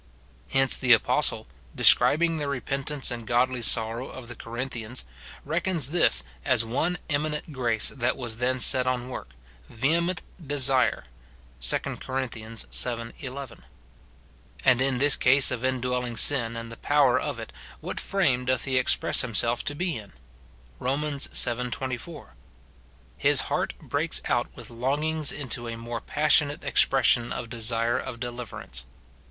Hence the apostle, describing the repentance and godly sorrow of the Corinthians, reckons this as one eminent grace that was then set on work, "vehement desire," 2 Cor. vii. 11. And in this case of indwelling sin and the power of it, what frame doth he express himself to be in ? Rom. vii. 24. His heart breaks out with longings into a more passionate expression of desire of deliverance.